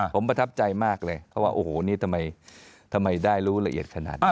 ผมประทับใจมากเลยเขาว่าโอ้โหนี่ทำไมได้รู้ละเอียดขนาดนี้